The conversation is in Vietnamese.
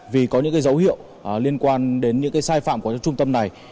vì có những dấu hiệu liên quan đến những sai phạm của trung tâm này